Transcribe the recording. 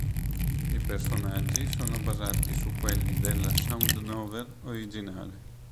I personaggi sono basati su quelli della sound novel originale.